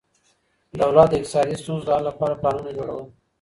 دولت د اقتصادي ستونزو د حل لپاره پلانونه جوړول.